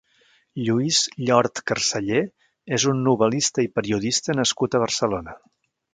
Lluís Llort Carceller és un novel·lista i periodista nascut a Barcelona.